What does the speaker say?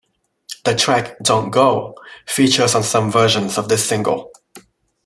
The track "Don't Go" features on some versions of this single.